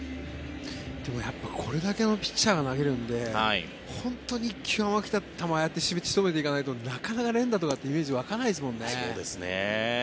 でも、これだけのピッチャーが投げるので本当に１球、甘く来た球をああやって仕留めていかないとなかなか連打とかのイメージが湧かないですもんね。